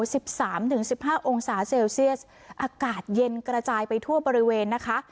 สิบสามถึงสิบห้าองศาเซลเซียสอากาศเย็นกระจายไปทั่วบริเวณนะคะ